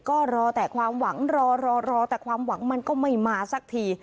ก็รอแต่ความหวังรอแต่ความหวังมันก็ไม่มาสักที